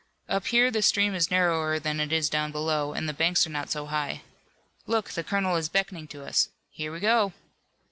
Up here the stream is narrower than it is down below, and the banks are not so high. Look, the colonel is beckoning to us! Here we go!"